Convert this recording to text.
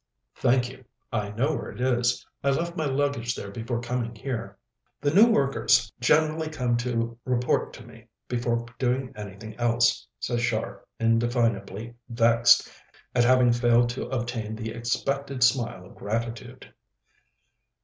"Thank you; I know where it is. I left my luggage there before coming here." "The new workers generally come to report to me before doing anything else," said Char, indefinably vexed at having failed to obtain the expected smile of gratitude.